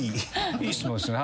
いい質問ですね。